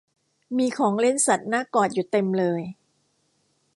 มีของเล่นสัตว์น่ากอดอยู่เต็มเลย